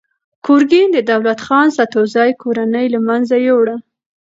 ګورګین د دولت خان سدوزي کورنۍ له منځه یووړه.